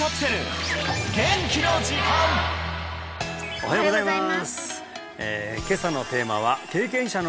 おはようございます